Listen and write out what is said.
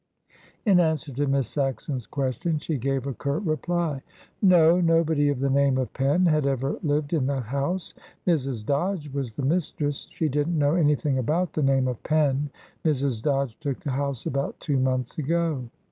In answer to Miss Saxon's question she gave a curt reply. "No; nobody of the name of Penn had ever lived in that house. Mrs. Dodge was the mistress. She didn't know anything about the name of Penn. Mrs. Dodge took the house about two months ago."